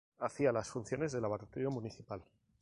Hacía las funciones de Laboratorio Municipal.